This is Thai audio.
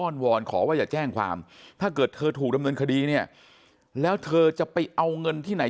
วอนขอว่าอย่าแจ้งความถ้าเกิดเธอถูกดำเนินคดีเนี่ยแล้วเธอจะไปเอาเงินที่ไหน